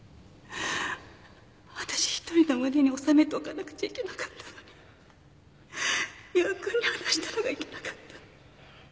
わたし一人の胸に納めておかなくちゃいけなかったのに与那君に話したのがいけなかった。